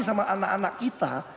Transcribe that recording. dengan anak anak kita